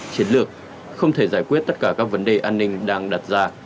chiến lược không thể giải quyết tất cả các vấn đề an ninh đang đặt ra